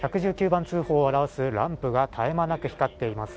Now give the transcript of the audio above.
１１９番通報を表すランプが絶え間なく光っています。